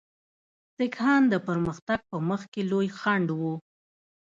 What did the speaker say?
سیکهان د پرمختګ په مخ کې لوی خنډ وو.